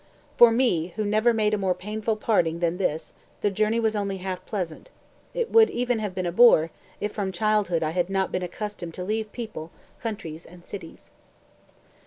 "For me, who never made a more painful parting than this, the journey was only half pleasant it would even have been a bore, if from childhood I had not been accustomed to leave people, countries and cities.")